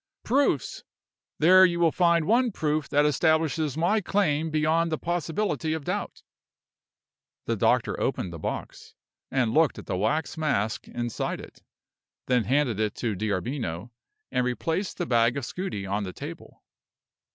"Proofs! there you will find one proof that establishes my claim beyond the possibility of doubt." The doctor opened the box, and looked at the wax mask inside it; then handed it to D'Arbino, and replaced the bag of scudi on the table.